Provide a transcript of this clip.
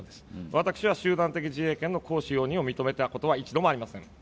私は集団的自衛権の行使容認を認めたことは一度もありません。